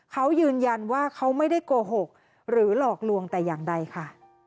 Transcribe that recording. เขายืนยันว่าเขาไม่ได้โกหกหรือหลอกลวงแต่อย่างใดค่ะ